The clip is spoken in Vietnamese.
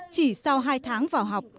chỉ sau hai tháng vào học